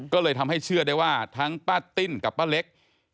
ก็เลยทำให้เชื่อได้ว่าทั้งป้าติ้นกับป้าเล็ก